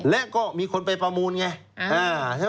แล้วก็มีคนไปประมูลไง